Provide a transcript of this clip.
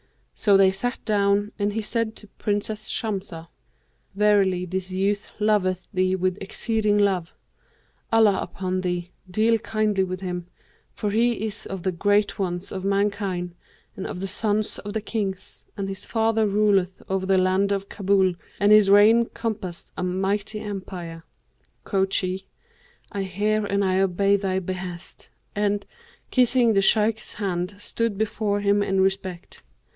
So they sat down and he said to Princess Shamsah, 'Verily this youth loveth thee with exceeding love; Allah upon thee, deal kindly with him, for he is of the great ones of mankind and of the sons of the kings, and his father ruleth over the land of Kabul and his reign compasseth a mighty empire.' Quoth she, 'I hear and I obey thy behest'; and, kissing the Shaykh's hands stood before him in respect.